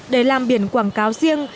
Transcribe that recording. để làm biển quảng cáo riêng